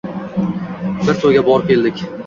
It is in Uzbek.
Bir toʻyga borib keldik.